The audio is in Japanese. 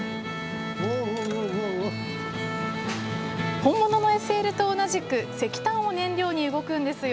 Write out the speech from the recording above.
本物のＳＬと同じく、石炭を燃料に動くんですよ。